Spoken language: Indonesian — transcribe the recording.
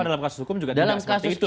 dalam kasus hukum juga tidak seperti itu